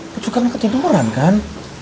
kucukannya ketiduran kan